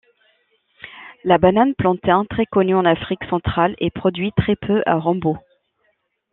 La banane plantain, très connu en Afrique Centrale est produit très peu à Rombo.